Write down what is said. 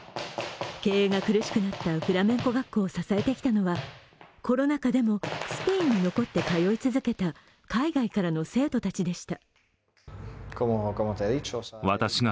経営が苦しくなったフラメンコ学校を支えてきたのはコロナ禍でも、スペインに残って通い続けた海外からの生徒たちでした。